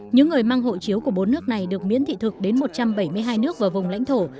những người mang hộ chiếu của bốn nước này được miễn thị thực đến một trăm bảy mươi hai nước và vùng lãnh thổ